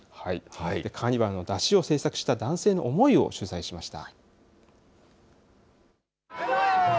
カーニバルの山車を制作した男性の思いを取材しました。